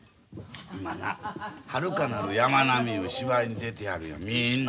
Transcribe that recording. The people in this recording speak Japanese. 今な「はるかなる山脈」いう芝居に出てはるんやみんな。